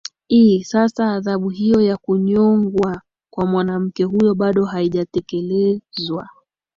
i sasa adhabu hiyo ya kunyongwa kwa mwanamke huyo bado haijatekelezwa